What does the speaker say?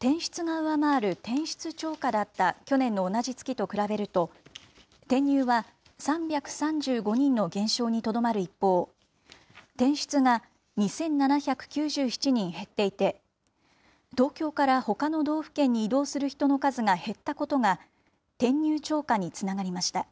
転出が上回る転出超過だった去年の同じ月と比べると、転入は３３５人の減少にとどまる一方、転出が２７９７人減っていて、東京からほかの道府県に移動する人の数が減ったことが、転入超過につながりました。